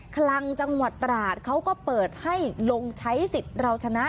คลังจังหวัดตราดเขาก็เปิดให้ลงใช้สิทธิ์เราชนะ